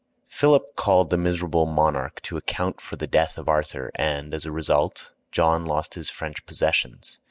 Philip called the miserable monarch to account for the death of Arthur, and, as a result, John lost his French possessions.